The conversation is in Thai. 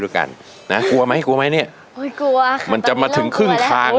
ตอนนี้แพน๒